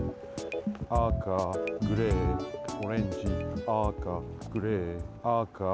あかグレーオレンジあかグレーあかあか。